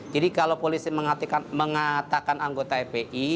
jadi kalau polisi mengatakan anggota epi